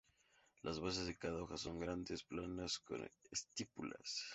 Las bases de cada hoja son grandes, planas, con estípulas.